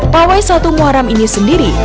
pawai satu muharam ini sendiri